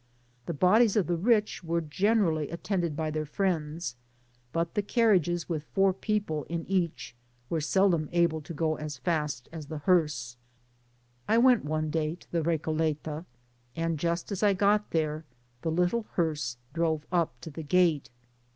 The bodies of the rich were generally attended by their friends; but the car^ riag^s with four people in each were seldom able to go a$ f^t as the hearse, I went om day to the Recoleta} and just as I got there, the little hearse drove up to the gate.